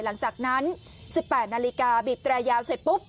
หลังจากนั้น๑๘นาฬิกาบีบแตรยาวเสร็จปุ๊บ